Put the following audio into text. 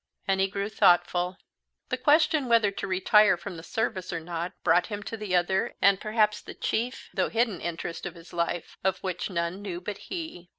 And he grew thoughtful. The question whether to retire from the service or not brought him to the other and perhaps the chief though hidden interest of his life, of which none knew but he.